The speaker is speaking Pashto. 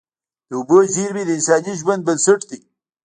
د اوبو زیرمې د انساني ژوند بنسټ دي.